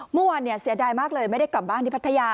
เมื่อวานเสียดายมากเลยไม่ได้กลับบ้านที่พัทยา